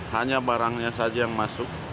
hanya barangnya saja yang masuk